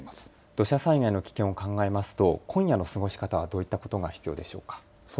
土砂災害の危険を考えますと今夜の過ごし方はどういったことが必要でしょうか。